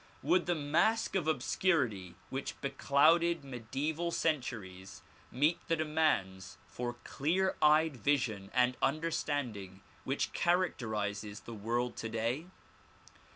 Would the mask of obscurity which beclouded mediaeval DISCOURSES DELIVERED IN BOSTON 139 centuries meet the demand for clear eyed vision and understanding which characterizes the world today?